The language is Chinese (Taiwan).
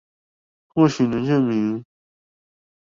或許能證明